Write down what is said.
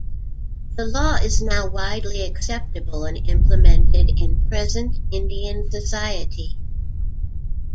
The law is now widely acceptable, and implemented in present Indian society.